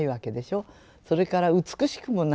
それから美しくもないですよね。